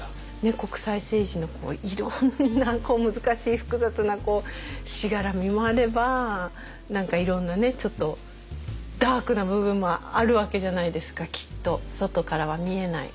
国際政治のいろんな難しい複雑なしがらみもあれば何かいろんなちょっとダークな部分もあるわけじゃないですかきっと外からは見えない